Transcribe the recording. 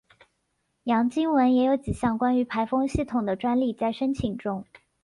杨经文也有几项关于排风系统的专利在申请中。